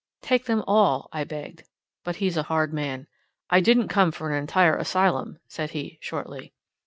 "Take them all!" I begged. But he's a hard man. "I didn't come for an entire asylum," said he, shortly.